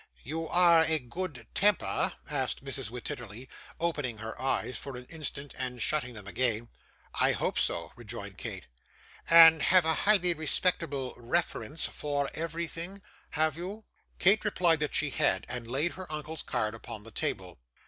'You are a good temper?' asked Mrs. Wititterly, opening her eyes for an instant, and shutting them again. 'I hope so,' rejoined Kate. 'And have a highly respectable reference for everything, have you?' Kate replied that she had, and laid her uncle's card upon the table.